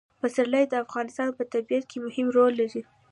پسرلی د افغانستان په طبیعت کې مهم رول لري.